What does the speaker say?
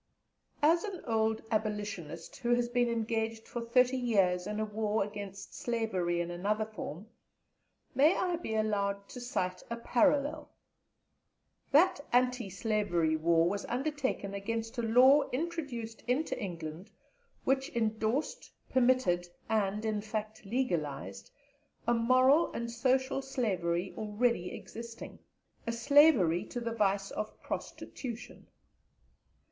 As an old Abolitionist, who has been engaged for thirty years in a war against slavery in another form, may I be allowed to cite a parallel? That Anti slavery War was undertaken against a Law introduced into England, which endorsed, permitted, and in fact, legalized, a moral and social slavery already existing a slavery to the vice of prostitution.